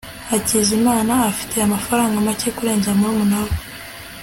hakizimana afite amafaranga make kurenza murumuna we